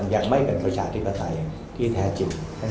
ยังไม่เป็นประชาธิปไตยที่แท้จริง